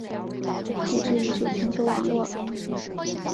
地质遗址全球网络。